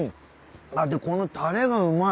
でこのタレがうまい！